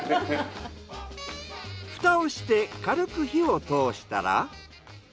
フタをして軽く火を通したら。